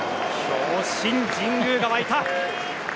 強振、神宮が沸いた！